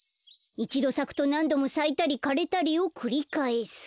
いちどさくとなんどもさいたりかれたりをくりかえす。